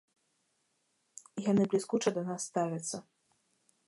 Яны бліскуча да нас ставяцца.